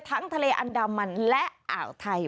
ทะเลอันดามันและอ่าวไทย